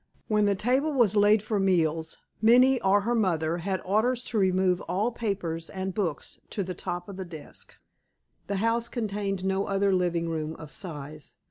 When the table was laid for meals, Minnie or her mother had orders to remove all papers and books to the top of the desk. The house contained no other living room of size.